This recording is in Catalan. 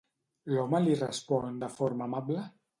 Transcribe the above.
L'home li respon de forma amable?